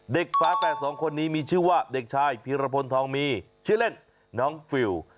ฟ้าแฝดสองคนนี้มีชื่อว่าเด็กชายพีรพลทองมีชื่อเล่นน้องฟิล